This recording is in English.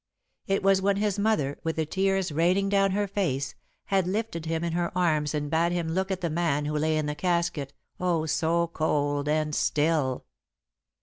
It was when his mother, with the tears raining down her face, had lifted him in her arms and bade him look at the man who lay in the casket, oh, so cold and still.